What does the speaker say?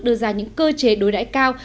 đưa ra những cơ chế đối đải cao